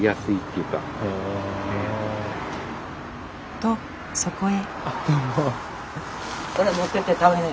とそこへ。